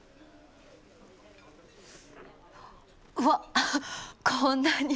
うわこんなに！